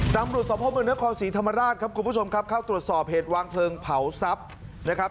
ตำรวจสมภาพเมืองนครศรีธรรมราชครับคุณผู้ชมครับเข้าตรวจสอบเหตุวางเพลิงเผาทรัพย์นะครับ